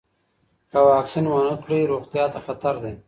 که واکسین ونه کړئ، روغتیا ته خطر دی.